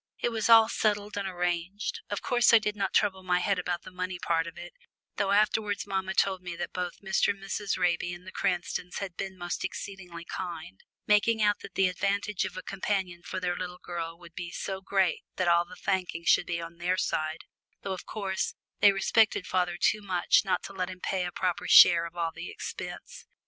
It was all settled and arranged of course I did not trouble my head about the money part of it, though afterwards mamma told me that both Mr. and Mrs. Raby and the Cranstons had been most exceedingly kind, making out that the advantage of a companion for their little girl would be so great that all the thanking should be on their side, though, of course, they respected father too much not to let him pay a proper share of all the expense.